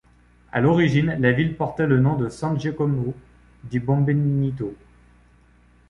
À l'origine, la ville portait le nom de San-Giacomo di Bombinetto.